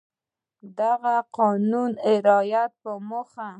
د هغه قانون رعایت په موخه